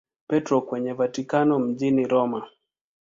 Petro kwenye Vatikano mjini Roma.